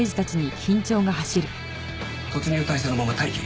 突入態勢のまま待機。